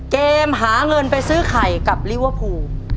มหาเงินไปซื้อไข่กับลิเวอร์พูล